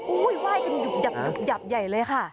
อุ้ยว่ายกันหยับใหญ่เลยค่ะ